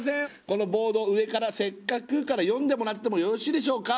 このボード上から「せっかく」から読んでもらってもよろしいでしょうか？